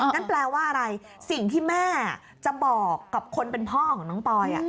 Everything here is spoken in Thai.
นั่นแปลว่าอะไรสิ่งที่แม่จะบอกกับคนเป็นพ่อของน้องปอย